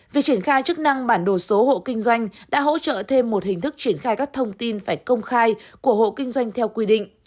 việc triển khai chức năng bản đồ số hộ kinh doanh đã hỗ trợ thêm một hình thức triển khai các thông tin phải công khai của hộ kinh doanh theo quy định